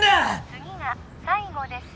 次が最後です